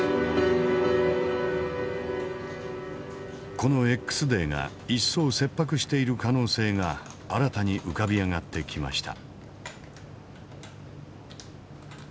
このＸデーが一層切迫している可能性が新たに浮かび上がってきました。